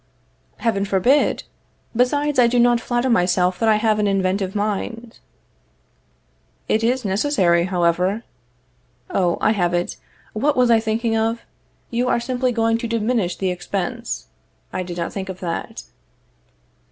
Heaven forbid! Besides, I do not flatter myself that I have an inventive mind. It is necessary, however. Oh, I have it. What was I thinking of? You are simply going to diminish the expense. I did not think of that.